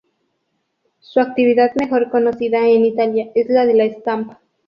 Su actividad mejor conocida en Italia es la de la estampa.